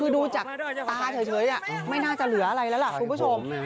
ดูจากตาเฉยไม่น่าจะเหลืออะไรแล้วล่ะคุณผู้ชม